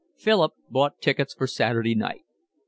Philip bought tickets for Saturday night.